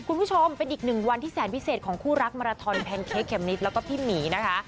คุณผู้ชมเป็นอีกหนึ่งวันที่แสนพิเศษของคู่รักมาราทอนแพนเค้กเข็มนิดแล้วก็พี่หมีนะคะ